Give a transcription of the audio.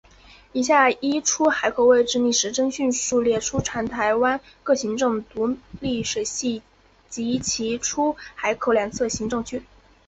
以下依出海口位置逆时针顺序列出全台湾各行政区独立水系及其出海口两侧行政区。